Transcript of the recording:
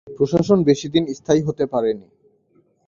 এই প্রশাসন বেশি দিন স্থায়ী হতে পারেনি।